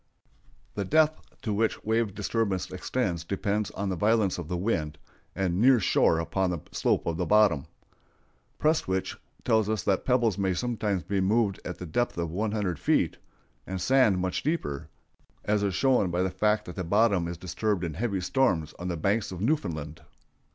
The depth to which wave disturbance extends depends on the violence of the wind, and near shore upon the slope of the bottom. Prestwich tells us that pebbles may sometimes be moved at the depth of one hundred feet, and sand much deeper, as is shown by the fact that the bottom is disturbed in heavy storms on the Banks of Newfoundland.